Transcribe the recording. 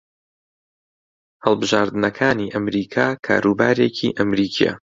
هەڵبژارنەکانی ئەمریکا کاروبارێکی ئەمریکییە